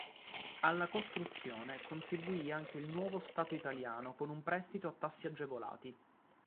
Alla costruzione contribuì anche il nuovo Stato italiano con un prestito a tassi agevolati.